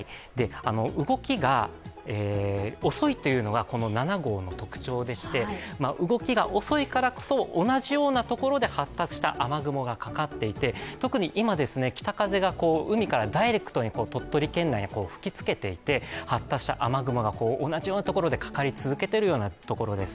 動きが遅いというのがこの７号の特徴でして、動きが遅いからこそ、同じようなところで発達した雨雲がかかっていて、特に今、北風が海からダイレクトに鳥取県内に吹きつけていて、発達した雨雲が同じようなところでかかり続けてるところです